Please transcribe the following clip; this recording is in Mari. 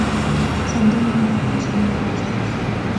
Санден мые ончем йырваш пӱсын.